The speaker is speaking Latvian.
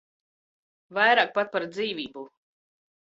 Vairāk pat par dzīvību.